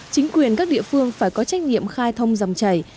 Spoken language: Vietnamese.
chính quyền các địa phương phải có trách nhiệm khai thông dòng chảy